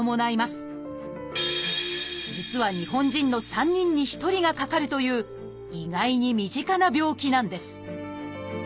実は日本人の３人に１人がかかるという意外に身近な病気なんです。